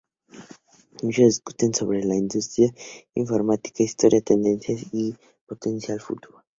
Muchos discuten sobre la industria informática, historia, tendencias y potencial futuro.